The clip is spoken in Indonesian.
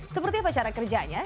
seperti apa cara kerjanya